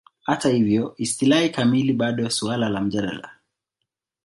Hata hivyo, istilahi kamili bado suala la mjadala.